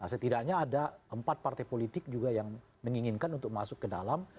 setidaknya ada empat partai politik juga yang menginginkan untuk masuk ke dalam